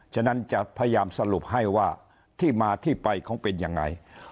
ฉะนั้นจะพยายามสรุปให้ว่าที่มาที่ไปของเป็นยังไง